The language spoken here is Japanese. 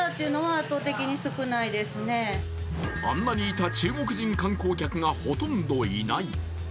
あんなにいた中国人観光客がほとんどいない。